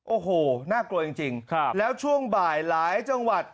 โอ้โหน่ากลัวจริงแล้วช่วงบ่ายหลายจังหวัด